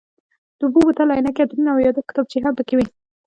د اوبو بوتل، عینکې، عطرونه او یادښت کتابچې هم پکې وې.